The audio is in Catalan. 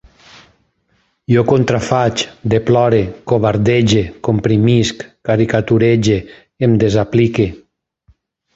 Jo contrafaig, deplore, covardege, comprimisc, caricaturege, em desaplique